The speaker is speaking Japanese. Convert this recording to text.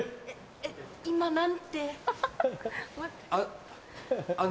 えっ今何て？